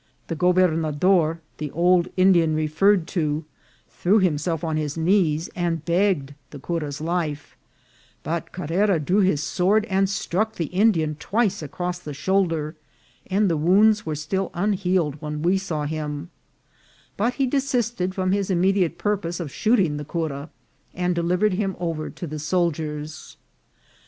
The gobernador, the old Indian referred to, threw himself on his knees and begged the cura's life ; but Carrera drew his sword and struck the Indian twice across the shoulder, and the wounds were stil] unhealed when we saw him ; but he CARRERA AT QUEZALTENANGO. 207 desisted from his immediate purpose of shooting the cura, and delivered him over to the soldiers.